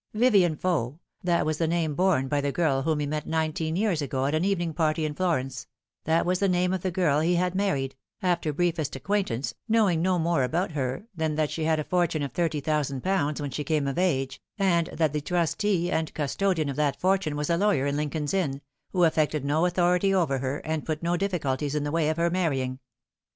Vivien Faux, that was the name borne by the girl whom he met nine teen years ago at an evening party in Florence ; that was the name of the girl he had married, after briefest acquaintance, knowing no more about her than that she had a fortune of thirty thousand pounds when she came of age, and that the trustee and custodian of that fortune was a lawyer in Lincoln's Inn, who affected no authority over her, and put no difficulties in the way of her marrying.